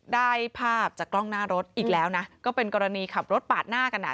ได้ภาพจากกล้องหน้ารถอีกแล้วนะก็เป็นกรณีขับรถปาดหน้ากันอ่ะ